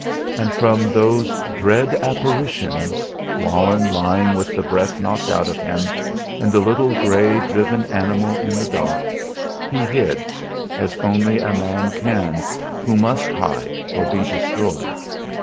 And from those dread apparitions Walenn lying with the breath choked out of him, and the little grey, driven animal in the dock he hid, as only a man can who must hide or be destroyed.